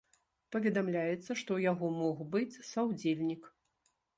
Паведамляецца, што ў яго мог быць саўдзельнік.